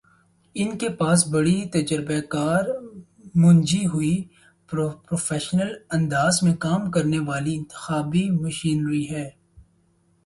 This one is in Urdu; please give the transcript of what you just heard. ان کے پاس بڑی تجربہ کار، منجھی ہوئی، پروفیشنل انداز میں کام کرنے والی انتخابی مشینری ہے۔